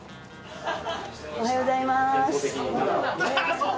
おはようございます。